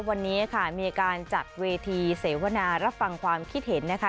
วันนี้ค่ะมีการจัดเวทีเสวนารับฟังความคิดเห็นนะคะ